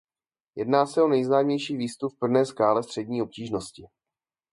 Jedná se o nejznámější výstup v pevné skále střední obtížnosti.